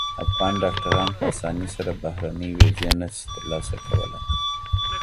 افغان ډاکټران په اسانۍ سره بهرنۍ ویزې نه سي ترلاسه کولای.